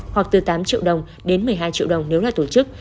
hoặc từ tám triệu đồng đến một mươi hai triệu đồng nếu là tổ chức